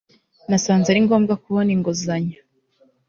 nasanze ari ngombwa kubona inguzanyo